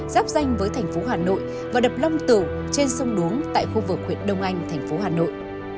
giáp danh với thành phố hà nội và đập long tửu trên sông đuống tại khu vực huyện đông anh thành phố hà nội